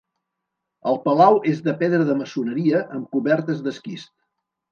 El palau és de pedra de maçoneria amb cobertes d'esquist.